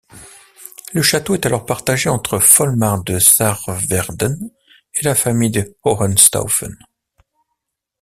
Le château est alors partagé entre Folmar de Sarrewerden et la famille de Hohenstaufen.